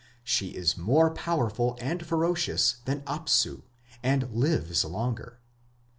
She is more powerful and ferocious than Apsu, and lives longer.